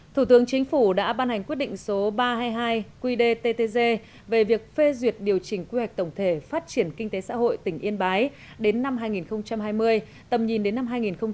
thủ tướng chính phủ đã ban hành quyết định số ba trăm hai mươi hai qdttg về việc phê duyệt điều chỉnh quy hoạch tổng thể phát triển kinh tế xã hội tỉnh yên bái đến năm hai nghìn hai mươi tầm nhìn đến năm hai nghìn ba mươi